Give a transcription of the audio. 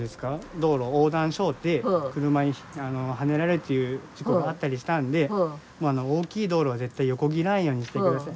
道路横断しょうて車にはねられるという事故があったりしたんで大きい道路は絶対横切らんようにしてください。